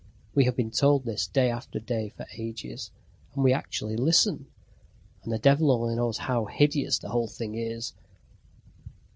We have been told this day after day for ages. And we actually listen and the devil only knows how hideous the whole thing is.